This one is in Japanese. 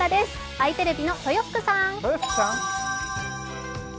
あいテレビの豊福さん。